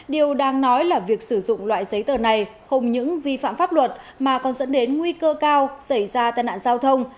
điều đang nói là việc sử dụng loại giấy tờ này không những vi phạm pháp luật mà còn dẫn đến nguy cơ cao xảy ra tai nạn giao thông